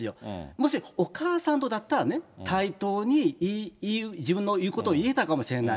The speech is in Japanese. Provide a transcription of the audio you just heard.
もしお母さんとだったら、対等に自分の言うことを言えたかもしれない。